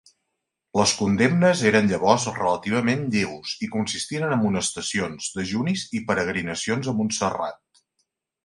Les condemnes eren llavors relativament lleus i consistien en amonestacions, dejunis i peregrinacions a Montserrat.